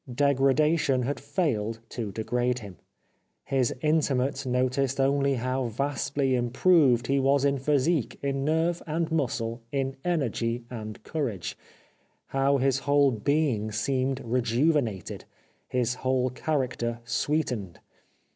Degradation had failed to degrade him. His intimates noticed only how vastly improved he was in physique, in nerve and muscle, in energy and courage ; how his whole being seemed rejuvenated, his whole character sweetened.